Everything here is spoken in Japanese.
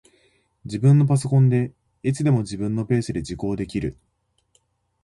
自分のパソコンで、いつでも自分のペースで受講できる